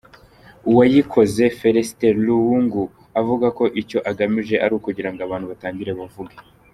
Uwayikoze, Felicite Luwungu, avuga ko icyo agamije ari ukugira ngo abantu batangire bavuge.